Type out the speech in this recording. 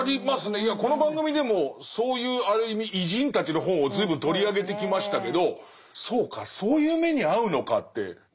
いやこの番組でもそういうある意味偉人たちの本を随分取り上げてきましたけどそうかそういう目に遭うのかって思いますよね。